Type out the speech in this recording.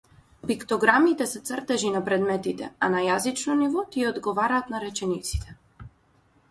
Пиктограмите се цртежи на предметите, а на јазично ниво тие одговараат на речениците.